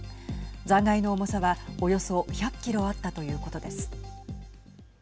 残骸の重さはおよそ１００キロあったということです。